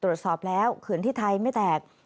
ตรวจสอบแล้วเขื่อนที่ไทยไม่แตก